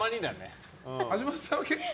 橋本さんは結構？